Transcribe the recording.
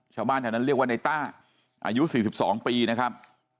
ชาวบ้านแถวนั้นเรียกว่าในต้าอายุ๔๒ปีนะครับ